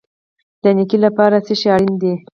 د نیکۍ لپاره څه شی اړین دی؟